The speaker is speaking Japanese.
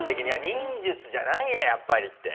「忍術じゃないなやっぱり」って。